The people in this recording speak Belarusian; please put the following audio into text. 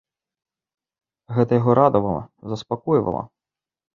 Гэта яго радавала, заспакойвала.